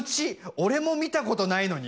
俺も見たことないのに？